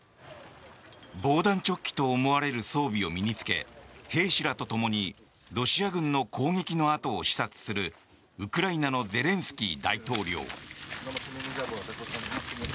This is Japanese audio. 防弾チョッキと思われる装備を身に着け兵士らとともにロシア軍の攻撃の跡を視察するウクライナのゼレンスキー大統領。